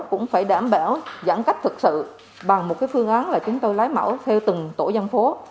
cũng phải đảm bảo giãn cách thực sự bằng một phương án là chúng tôi lấy mẫu theo từng tổ dân phố